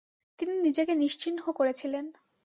তিনি নিজেকে নিশ্চিহ্ন করেছিলেন"।